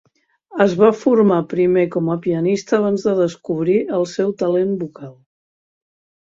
Es va formar primer com a pianista, abans de descobrir el seu talent vocal.